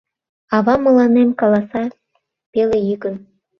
Ава мыланем каласа пелейӱкын: